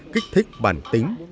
kích thích bản tính